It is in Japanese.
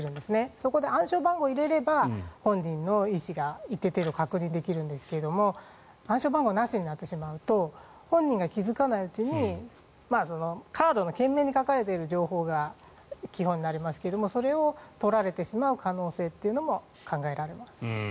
そこで暗証番号を入れれば本人の意思が一定程度確認できるんですが暗証番号なしになると本人が気付かないうちにカードの券面に書かれている情報が基本になりますがそれを取られてしまう可能性というのも考えられます。